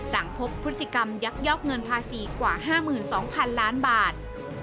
หลังพบพฤติกรรมยักยอกเงินภาษีกว่า๕๒๐๐๐ล้านบาท